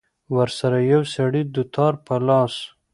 ورسره يو سړى دوتار په لاس.